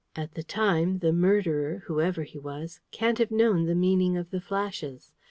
At the time the murderer, whoever he was, can't have known the meaning of the flashes.